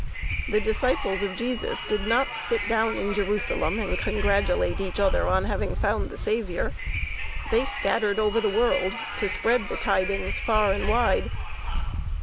The disciples of Jesus did not sit down in Jerusalem and congratulate each other on having found the Saviour. They scattered over the world to spread the tidings far and wide.